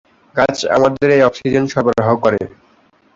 গাছ আমাদের এই অক্সিজেন সরবরাহ করে।